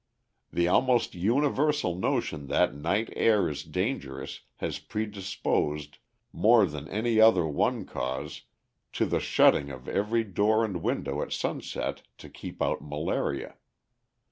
The almost universal notion that night air is dangerous has predisposed, more than any other one cause, to the shutting of every door and window at sunset to keep out malaria.